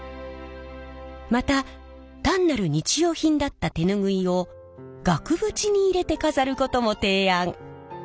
また単なる日用品だった手ぬぐいを額縁に入れて飾ることも提案。